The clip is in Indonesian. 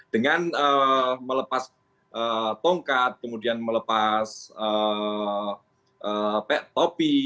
dengan melepas tongkat kemudian melepas topi